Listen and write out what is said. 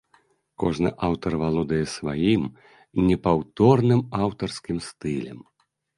Кожны аўтар валодае сваім непаўторным аўтарскім стылем.